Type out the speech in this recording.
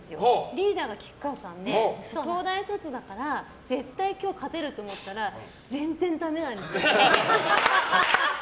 リーダーが菊川さんで東大卒だから絶対に今日勝てると思ったら全然ダメなんですよ。